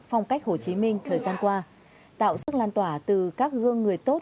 phong cách hồ chí minh thời gian qua tạo sức lan tỏa từ các gương người tốt